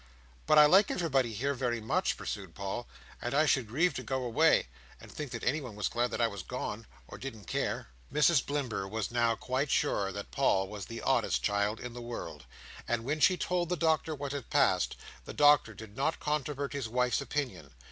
"But I like everybody here very much," pursued Paul, "and I should grieve to go away, and think that anyone was glad that I was gone, or didn't care." Mrs Blimber was now quite sure that Paul was the oddest child in the world; and when she told the Doctor what had passed, the Doctor did not controvert his wife's opinion.